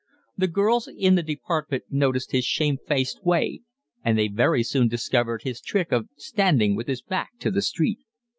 The girls in the department noticed his shamefaced way, and they very soon discovered his trick of standing with his back to the street.